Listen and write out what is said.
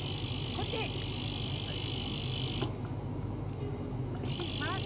こっちにします！